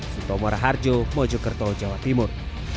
sutomora harjo mojokerto jawa timur